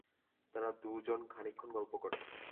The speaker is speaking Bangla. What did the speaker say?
তারা দু জন খানিকক্ষণ গল্প করে।